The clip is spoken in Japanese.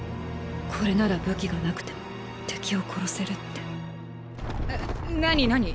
「これなら武器がなくても敵を殺せる」って。え？何何？